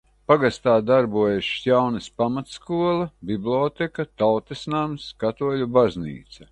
Pagastā darbojas Šķaunes pamatskola, bibliotēka, Tautas nams, katoļu baznīca.